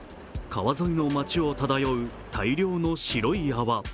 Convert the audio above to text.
川沿いの街を漂う大量の白い泡。